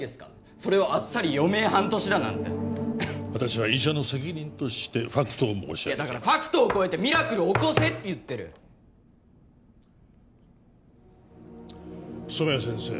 それをあっさり余命半年だなんて私は医者の責任としてファクトを申し上げてますだからファクトを超えてミラクルを起こせって言ってる染谷先生